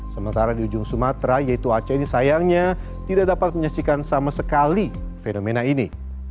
sementara di ujung sumatera yaitu aceh ini sayangnya tidak dapat menyaksikan sama sekali fenomena ini